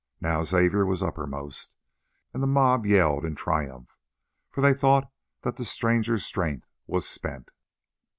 Now Xavier was uppermost, and the mob yelled in triumph, for they thought that the stranger's strength was spent.